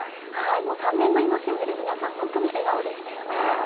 ３年ぶりの神事で皆さん、本当に笑顔でしたよね。